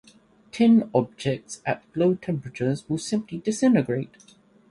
Tin objects at low temperatures will simply disintegrate.